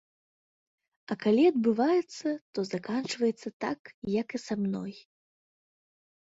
А калі адбываецца, то заканчваецца так, як і са мной.